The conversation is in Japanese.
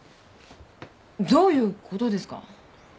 どういうことですか？